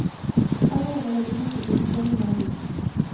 Aldo ganó la lucha por decisión unánime.